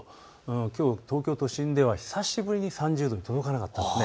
きょう東京都心では久しぶりに３０度に届かなかったんです。